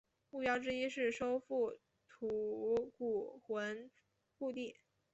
目标之一是收复吐谷浑故地。